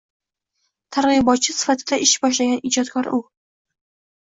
Targ‘ibotchi sifatida ish boshlagan ijodkor u.